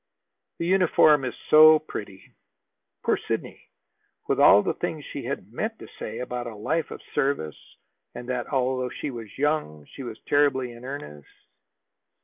"The uniform is so pretty." Poor Sidney! with all the things she had meant to say about a life of service, and that, although she was young, she was terribly in earnest.